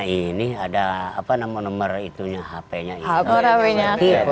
ini ada apa nomor nomor itunya hpnya hpnya